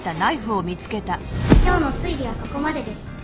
「今日の推理はここまでです」